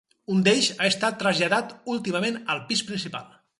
Un d'ells ha estat traslladat últimament al pis principal.